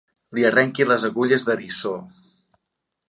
Li arrenqui les agulles d'eriçó.